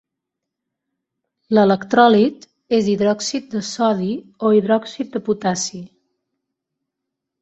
L'electròlit és hidròxid de sodi o hidròxid de potassi.